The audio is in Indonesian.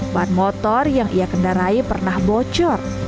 ban motor yang ia kendarai pernah bocor